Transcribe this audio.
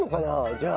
じゃあ。